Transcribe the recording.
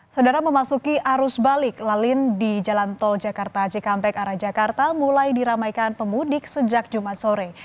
sedara memasuki arus balik lalin di jalan tol jakarta cikampek arah jakarta mulai diramaikan pemudik sejak jumat sore